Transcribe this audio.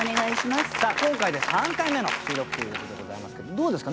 今回で３回目の収録ということでございますけどどうですか？